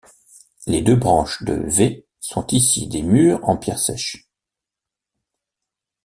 Les deux branches de V sont ici des murs en pierres sèches.